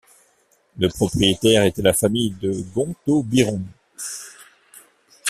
Le propriétaire était la famille de Gontaut Biron.